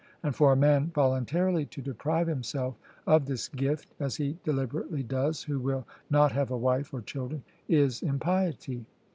And for a man voluntarily to deprive himself of this gift, as he deliberately does who will not have a wife or children, is impiety.